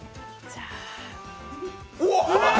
じゃあ。